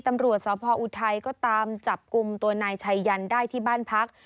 ตำรวจสพออุทัยก็ตามจับกลุ่มตัวนายชัยยันได้ที่บ้านพัก